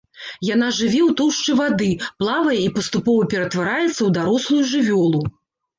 Яна жыве ў тоўшчы вады, плавае і паступова ператвараецца ў дарослую жывёлу.